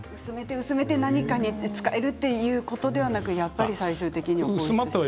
薄めて何かに使えるということではなくやっぱり最終的には。